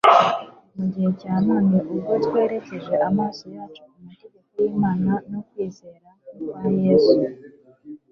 Mu gihe cya none ubwo twerekeje amaso yacu ku mategeko y'Imana no kwizera nk'ukwa Yesu,